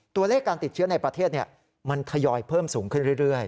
ตัวเลขการติดเชื้อในประเทศมันทยอยเพิ่มสูงขึ้นเรื่อย